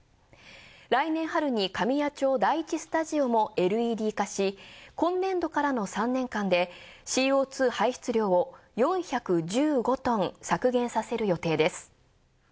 来年春に神谷町第１スタジオもＬＥＤ化し今年度からの３年間でＣＯ２排出量を４１５トン削減させる予定です。